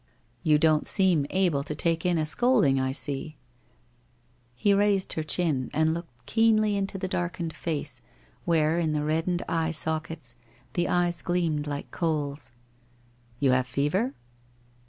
... You don't seem able to take in a scolding, I see/ He raised her chin and looked keenly into the darkened face, where in the reddened eye sockets, the eyes gleamed like coals. ' You have fever